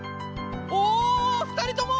おふたりとも！